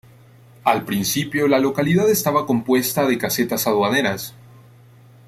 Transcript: Al principio, la localidad estaba compuesta de casetas aduaneras.